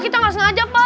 kita gak sengaja pak